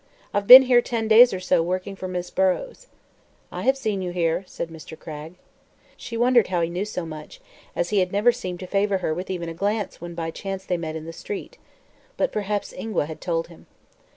"I've been here ten days or so, working for Miss Burrows." "I have seen you here," said Mr. Cragg. She wondered how he knew so much, as he had never seemed to favor her with even a glance when by chance they met in the street. But perhaps Ingua had told him.